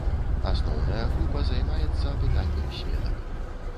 Асноўная група займаецца апытаннем сведак.